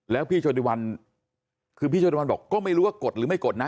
แล้วพี่โชติวันคือพี่โชติวันบอกก็ไม่รู้ว่ากดหรือไม่กดนะ